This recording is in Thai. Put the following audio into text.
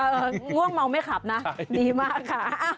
ง่วงเมาไม่ขับนะดีมากค่ะ